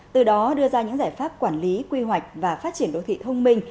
từ đó đưa ra những giải pháp quản lý quy hoạch và phát triển đô thị thông minh